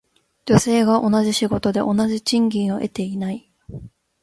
女性が同じ仕事で同じ賃金を得ていない。